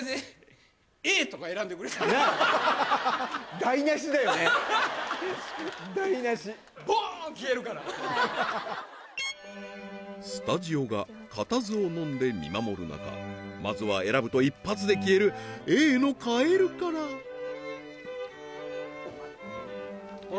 台無しスタジオが固唾を飲んで見守る中まずは選ぶと一発で消えるＡのカエルからあれ？